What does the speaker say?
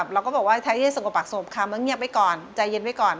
เราก็บอกว่าแทนที่จะสกปักศพคำว่าเงียบไว้ก่อนใจเย็นไว้ก่อน